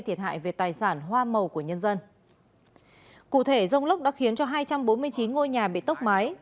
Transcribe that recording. thiệt hại về tài sản hoa màu của nhân dân cụ thể rông lốc đã khiến cho hai trăm bốn mươi chín ngôi nhà bị tốc mái